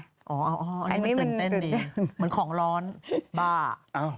อันนี้มันตื่นเต้นดีเหมือนของร้อนบ้า